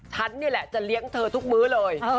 ฉันนี่แหละจะเลี้ยงเธอทุกมื้อเลย